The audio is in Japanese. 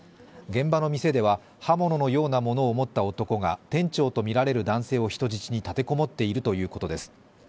現場の店では刃物のようなものを持った男が店長とみられる男性を人質に立て籠もっているということです。